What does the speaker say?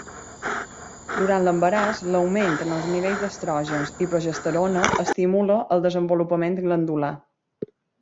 Durant l'embaràs l'augment en els nivells d'estrògens i progesterona estimula el desenvolupament glandular.